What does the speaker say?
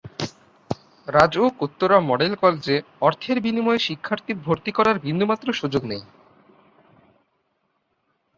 RAJUK Uttara model কলেজে অর্থের বিনিময়ে শিক্ষার্থী ভর্তি করার বিন্দুমাত্র সুযোগ নেই।